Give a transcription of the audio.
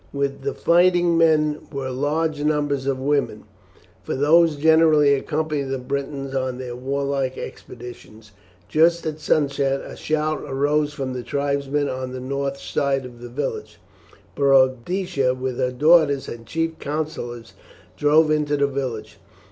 With the fighting men were large numbers of women, for these generally accompanied the Britons on their warlike expeditions. Just at sunset a shout arose from the tribesmen on the north side of the village, and Boadicea, with her daughters and chief councillors, drove into the village.